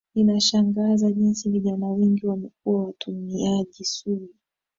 inashangaza jinsi vijana wengi wamekuwa watumiaji sugu